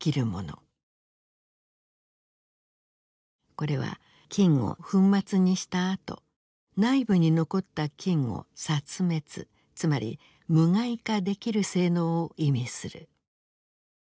これは菌を粉末にしたあと内部に残った菌を殺滅つまり無害化できる性能を意味する。